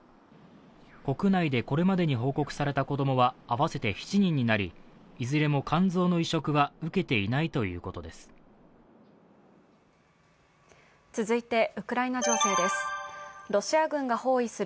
国内でこれまでに報告された子供は合わせて７人になりいずれも肝臓の移植は受けていないということです。